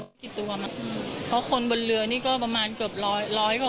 พูดสิทธิ์ข่าวธรรมดาทีวีรายงานสดจากโรงพยาบาลพระนครศรีอยุธยาครับ